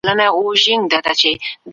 دلته نور متلونه هم درته ليکم